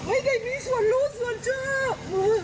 ช่วยบอกให้มีส่วนรู้ส่วนชอบ